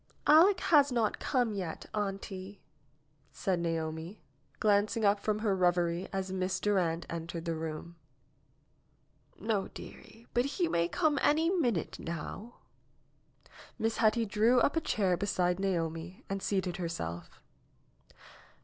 '^Aleck has not come yet, auntie," said Naomi, glanc ing up from her reverie as Miss Durand entered the room. ^^No, dearie, but he may come any minute now." Miss Hetty drew up a chair beside Naomi and seated herself.